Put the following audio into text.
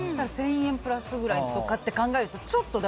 １０００円プラスくらいとかって考えると。